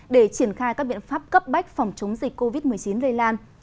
để triển khai các biện pháp cấp bách phòng chống dịch covid một mươi chín lây lan